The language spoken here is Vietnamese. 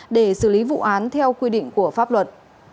để xử lý vụ án theo quy định của pháp luật